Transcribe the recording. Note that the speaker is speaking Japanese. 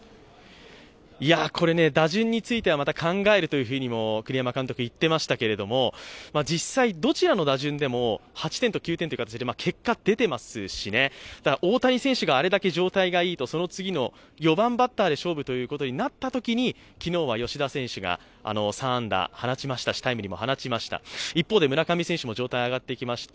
いやこれ、打順についてはまた考えると栗山監督、言ってましたけど実際、どちらでも８点とか９点という形で結果が出ていますし、大谷選手があれだけ状態がいいと、その次の４番バッターで勝負ということになったときに、昨日は吉田選手が３安打もタイムリーも放ちました、一方で村上選手も状態が上がってきました。